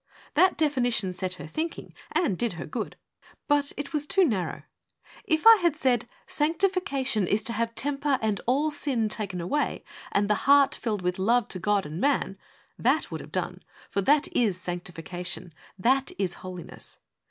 That definition set her thinking, and did her good ; but it 2 THE WAY OF HOLINESS was too narrow. If I had said, 'Sanctifica tion is to have temper and all sin taken away, and the heart filled with love to God and man,' that would have done, for that is Sanctification, that is Holiness.